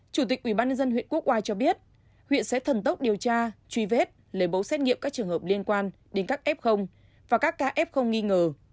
chủ tịch ubnd huyện quốc oai cho biết huyện sẽ thần tốc điều tra truy vết lấy mẫu xét nghiệm các trường hợp liên quan đến các f và các ca f nghi ngờ